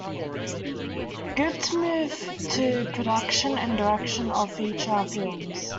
Gupte moved to production and direction of feature films.